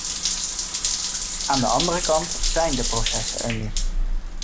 Aan de andere kant zijn de processen er nu.